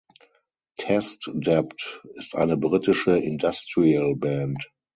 Test Dept ist eine britische Industrial-Band.